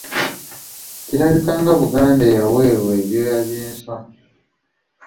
Kirabika nga Buganda eyaweebwa ebyoya by’enswa.